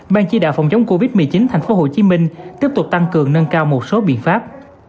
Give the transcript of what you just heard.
ban chỉ đạo phòng chống covid một mươi chín tp hcm tiếp tục tăng cường nâng cao một số biện pháp